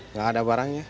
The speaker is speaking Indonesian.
enggak ada barangnya